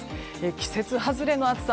季節外れの暑さ